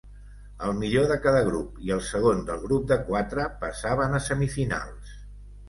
El millor de cada grup i el segon del grup de quatre passaven a semifinals.